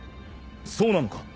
そうなのか。